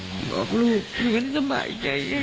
ไม่รู้จริงว่าเกิดอะไรขึ้น